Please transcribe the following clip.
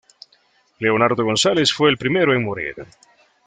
Leonardo González fue el primero en morir.